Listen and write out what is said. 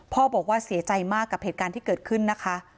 บอกว่าเสียใจมากกับเหตุการณ์ที่เกิดขึ้นนะคะ